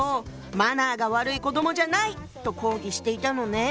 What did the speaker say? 「マナーが悪い子どもじゃない！」と抗議していたのね。